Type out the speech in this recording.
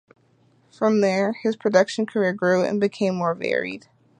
From there his production career grew and became more varied.